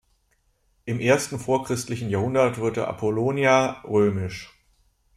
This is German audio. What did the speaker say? Im ersten vorchristlichen Jahrhundert wurde Apollonia römisch.